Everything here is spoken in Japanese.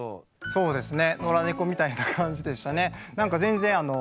そうですね。